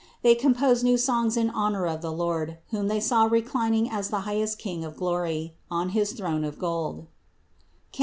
They composed new songs in honor of the Lord, whom they saw reclining as the highest King of glory, on his throne of gold (Cant.